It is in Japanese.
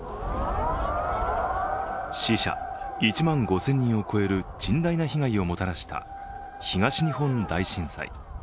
死者１万５０００人を超える甚大な被害をもたらした東日本大震災。